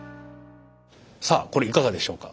さあこれいかがでしょうか。